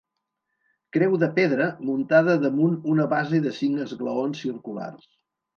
Creu de pedra muntada damunt una base de cinc esglaons circulars.